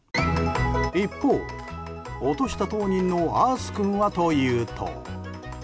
一方、落とした当人のアース君はというと。